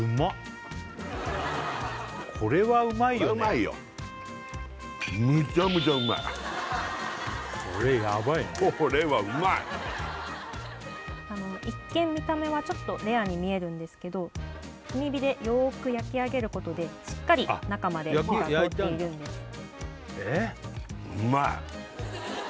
これうまいよこれヤバいね一見見た目はちょっとレアに見えるんですけど炭火でよく焼き上げることでしっかり中まで火が通っているんですね